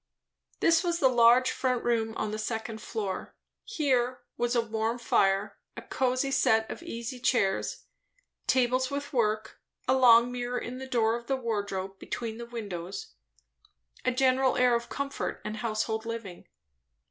This was the large front room on the second floor. Here was a warm fire, a cosy set of easy chairs, tables with work, a long mirror in the door of the wardrobe between the windows; a general air of comfort and household living.